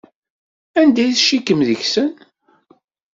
Anda ay tcikkem deg-sen?